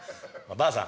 ばあさん